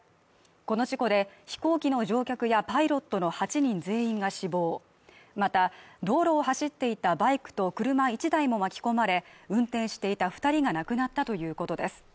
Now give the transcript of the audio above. この事故で飛行機の乗客やパイロットの８人全員が死亡また道路を走っていたバイクと車１台も巻き込まれ運転していた二人が亡くなったということです